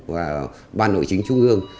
và ban nội chính trung ương